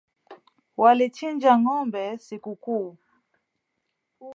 Walichinja ng'ombe sikukuu